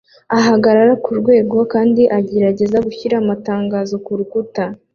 ahagarara kurwego kandi agerageza gushyira amatangazo kurukuta